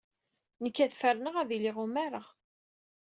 Nekk ad ferneɣ ad iliɣ umareɣ.